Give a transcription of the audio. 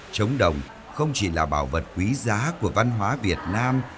trống đồng không chỉ là bảo vật quý giá của văn hóa việt nam